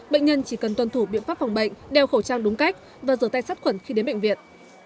bệnh nhân chỉ cần tuân thủ biện pháp phòng bệnh đeo khẩu trang đúng cách và rửa tay sát khuẩn khi đến bệnh viện